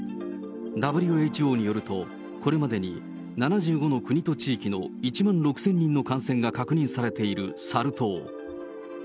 ＷＨＯによると、これまでに７５の国と地域の１万６０００人の感染が確認されているサル痘。